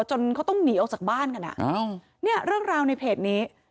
จนเขาต้องหนีออกจากบ้านกันอ่ะเนี่ยเรื่องราวในเพจนี้